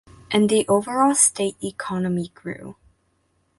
And the overall state economy grew.